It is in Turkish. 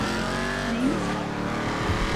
Neyimiz var?